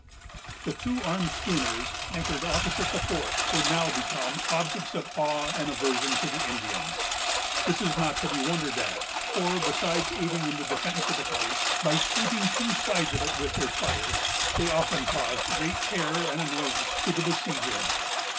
The two armed schooners, anchored opposite the fort, were now become objects of awe and aversion to the Indians. This is not to be wondered at, for, besides aiding in the defence of the place, by sweeping two sides of it with their fire, they often caused great terror and annoyance to the besiegers.